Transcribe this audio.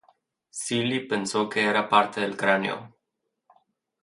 Seeley pensó que era parte del cráneo.